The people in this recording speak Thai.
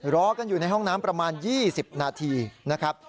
รอกันอยู่ในห้องน้ำประมาณ๒๐นาทีนะครับ